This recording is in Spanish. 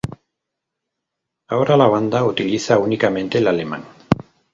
Ahora la banda utiliza únicamente el alemán.